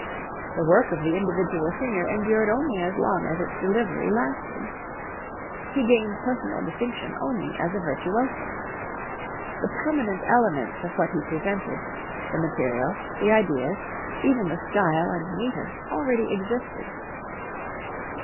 The work of the individual singer endured only as long as its delivery lasted. He gained personal distinction only as a virtuoso. The permanent elements of what he presented, the material, the ideas, even the style and metre, already existed.